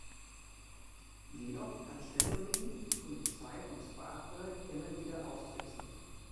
Jedoch kann Shadow Lady die Polizei und Spark Girl immer wieder austricksen.